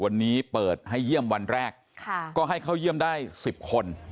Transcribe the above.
วันนี้เปิดให้เยี่ยมวันแรกก็ให้เข้าเยี่ยมได้๑๐คน